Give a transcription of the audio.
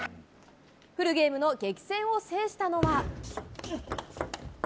フルゲームの激戦を制したのは。